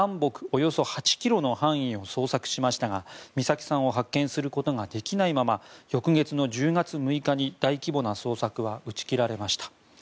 およそ８ｋｍの範囲を捜索しましたが美咲さんを発見することができないまま翌月の１０月６日に大規模な捜索は打ち切られました。